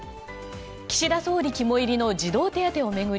岸田総理肝煎りの児童手当を巡り